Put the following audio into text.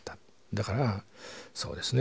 だからそうですね